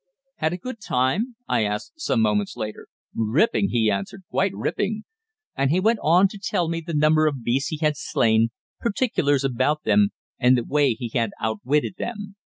"Had a good time?" I asked some moments later. "Ripping," he answered, "quite ripping," and he went on to tell me the number of beasts he had slain, particulars about them and the way he had outwitted them.